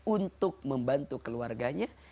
untuk membantu keluarganya